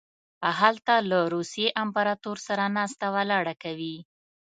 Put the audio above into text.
هلته له روسیې امپراطور سره ناسته ولاړه کوي.